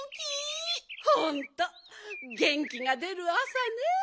ほんとげんきがでるあさね。